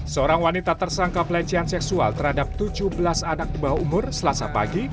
seorang wanita tersangka pelecehan seksual terhadap tujuh belas anak di bawah umur selasa pagi